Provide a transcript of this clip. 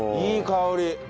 いい香り！